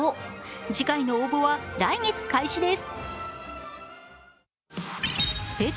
次回の応募は来月開始です。